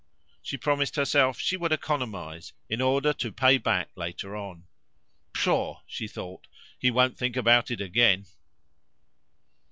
She promised herself she would economise in order to pay back later on. "Pshaw!" she thought, "he won't think about it again."